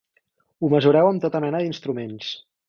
Ho mesureu amb tota mena d'instruments.